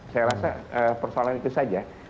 saya rasa persoalan itu saja